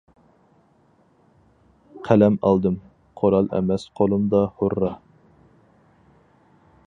قەلەم ئالدىم، قورال ئەمەس قولۇمدا، ھۇررا!